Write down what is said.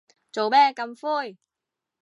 做咩咁灰